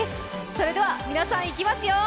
それでは皆さん、いきますよ。